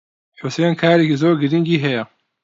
حوسێن کارێکی زۆر گرنگی ھەیە.